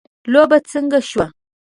لوبه څنګه شوه